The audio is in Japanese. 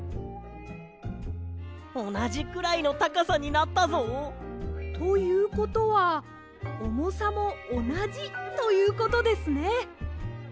おなじくらいのたかさになったぞ！ということはおもさもおなじということですね。